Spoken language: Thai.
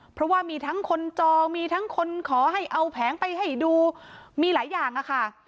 เพราะว่ามีทั้งคนจองมีทั้งคนขอให้เอาแผงไปให้ดูมีหลายอย่างอะค่ะ